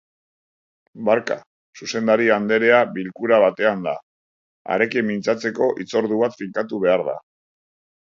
Barka, zuzendari anderea bilkura batean da. Harekin mintzatzeko hitzordu bat finkatu behar da.